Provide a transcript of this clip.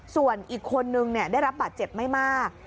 ส่วนอีกคนนึงได้รับบาดเจ็บไม่มาก